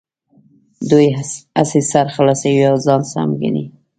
دوی هسې سر خلاصوي او ځان سم ګڼي.